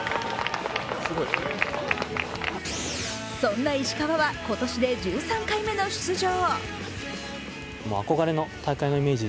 そんな石川は今年で１３回目の出場。